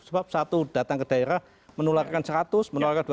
sebab satu datang ke daerah menularkan seratus menularkan dua ratus